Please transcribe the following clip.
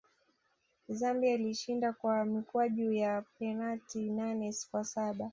zambia ilishinda kwa mikwaju ya penati nane kwa saba